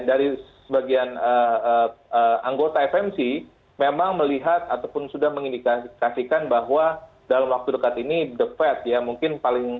dari sebagian anggota fmc memang melihat ataupun sudah mengindikasikan bahwa dalam waktu dekat ini the fed ya mungkin paling